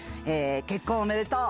結婚おめでとう。